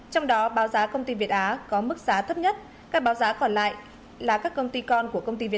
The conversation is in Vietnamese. trong đó báo giá công ty việt á có mức giá thấp nhất các báo giá còn lại là các công ty con của công ty việt